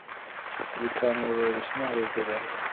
زکام یو ویروسي ناروغي ده.